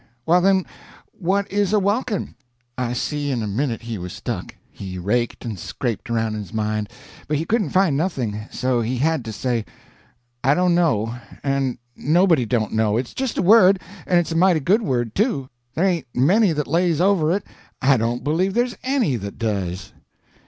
Well, then, what is a welkin?" I see in a minute he was stuck. He raked and scraped around in his mind, but he couldn't find nothing, so he had to say: "I don't know, and nobody don't know. It's just a word, and it's a mighty good word, too. There ain't many that lays over it. I don't believe there's any that does."